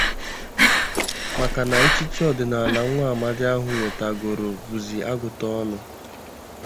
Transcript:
maka na echichi ọdịnala nwa amadi ahụ nwètàgòrò bụzị agụta ọnụ